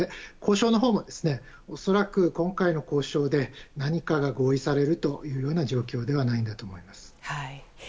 交渉のほうも恐らく今回の交渉で何かが合意されるというふうな状況ではないんだと思います。